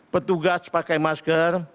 petugas pakai masker